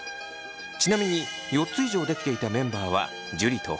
ちなみに４つ以上できていたメンバーは樹と北斗。